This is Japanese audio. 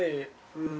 うん。